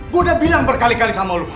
gue udah bilang berkali kali sama lo